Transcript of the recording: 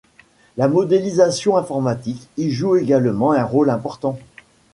La modélisation informatique y joue également un rôle important.